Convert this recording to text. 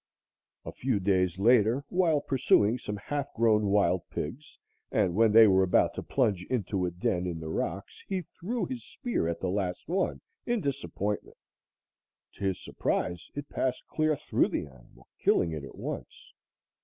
A few days later, while pursuing some half grown wild pigs, and when they were about to plunge into a den in the rocks, he threw his spear at the last one, in disappointment. To his surprise, it passed clear through the animal, killing it at once.